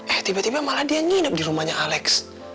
eh tiba tiba malah dia nginep di rumahnya alex